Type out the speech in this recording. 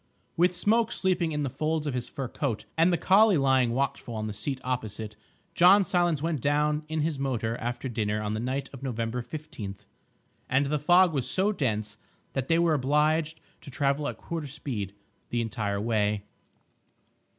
With Smoke sleeping in the folds of his fur coat, and the collie lying watchful on the seat opposite, John Silence went down in his motor after dinner on the night of November 15th. And the fog was so dense that they were obliged to travel at quarter speed the entire way.